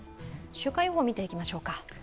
週間予報、見ていきましょうか。